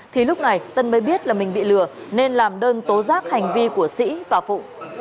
thì lúc này tân mới biết là mình bị lừa nên làm đơn tố giác hành vi của sĩ và phụ